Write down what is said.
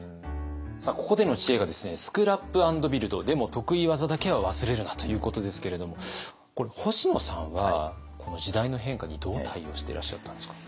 ここでの知恵が「スクラップ＆ビルドでも得意技だけは忘れるな！」ということですけれどもこれ星野さんはこの時代の変化にどう対応していらっしゃったんですか？